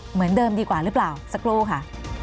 เหมือนเดิมดีกว่าหรือเปล่าสักครู่ค่ะ